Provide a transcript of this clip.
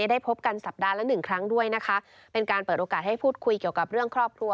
ได้พบกันสัปดาห์ละหนึ่งครั้งด้วยนะคะเป็นการเปิดโอกาสให้พูดคุยเกี่ยวกับเรื่องครอบครัว